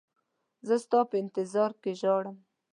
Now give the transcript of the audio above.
زه ستا په انتظار کې ژاړم.